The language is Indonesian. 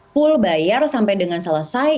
full bayar sampai dengan selesai